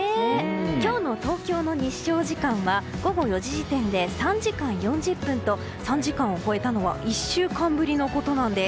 今日の東京の日照時間は午後４時時点で３時間４０分と３時間を超えたのは１週間ぶりのことなんです。